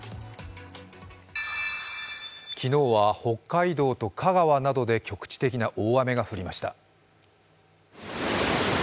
昨日は北海道と香川などで局地的な大雨が降りました。